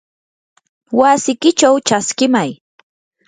wasikichaw chaskimay.